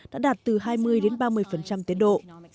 đã đạt từ hai mươi ba mươi tiến độ